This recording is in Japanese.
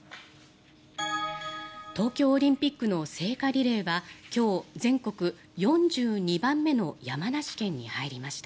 東京オリンピックの聖火リレーは今日、全国４２番目の山梨県に入りました。